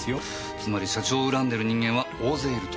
つまり社長を恨んでいる人間は大勢いると。